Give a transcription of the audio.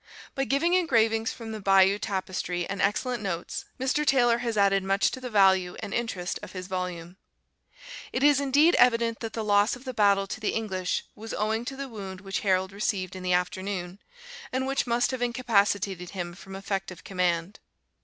By giving engravings from the Bayeux Tapestry, and excellent notes, Mr. Taylor has added much to the value and interest of his volume.] It is indeed evident that the loss of the battle to the English was owing to the wound which Harold received in the afternoon, and which must have incapacitated him from effective command.